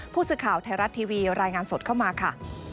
ผู้สื่อข่าวไทยรัฐทีวีรายงานสดเข้ามาค่ะ